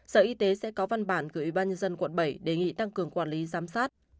sở y tế sẽ có văn bản gửi ủy ban nhân dân quận bảy đề nghị tăng cường quản lý giám sát